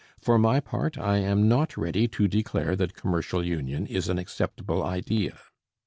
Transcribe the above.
For my part, I am not ready to declare that commercial union is an acceptable idea.'